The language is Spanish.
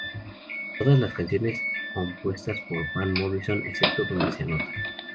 Todas las canciones compuestas por Van Morrison excepto donde se anota.